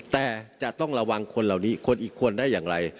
แต่จะต้องระวังคนเหล่านี้คนอีกคนได้อย่างไร